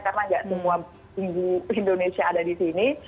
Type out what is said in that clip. karena nggak semua hidup indonesia ada di sini